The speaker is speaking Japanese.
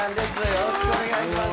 よろしくお願いします。